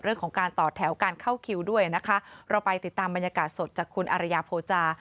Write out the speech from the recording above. เรื่องของการต่อแถวการเข้าคิวด้วยนะคะเราไปติดตามบรรยากาศสดจากคุณอารยาโพจา